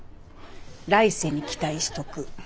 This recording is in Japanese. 来世に期待しとく。